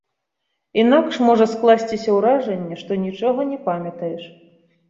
Інакш можа скласціся ўражанне, што нічога не памятаеш.